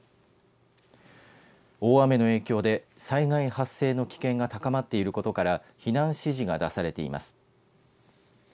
大雨の影響で災害発生の危険が高まっていることから避難指示が出されています。